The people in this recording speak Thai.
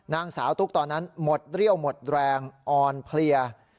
นางสาวตุ๊กตอนนั้นหมดเรี่ยวหมดแรงอ่อนเพลีย